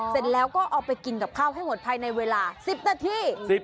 เสร็จแล้วก็เอาไปกินกับข้าวให้หมดภายในเวลา๑๐นาที